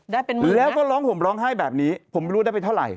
ได้เป็นหมื่นแล้วก็ร้องห่มร้องไห้แบบนี้ผมไม่รู้ได้ไปเท่าไหร